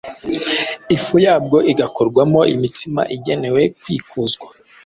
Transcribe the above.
ifu yabwo igakorwamo imitsima igenewe kwikuzwa.